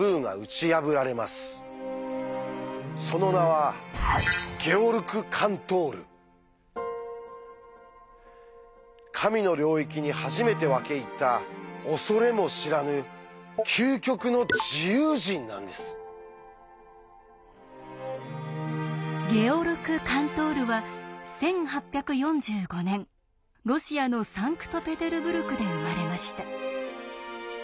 その名は神の領域に初めて分け入った恐れも知らぬ「究極の自由人」なんです。ゲオルク・カントールは１８４５年ロシアのサンクトペテルブルクで生まれました。